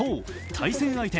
対戦相手